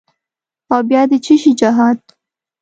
او بیا د چیشي جهاد؟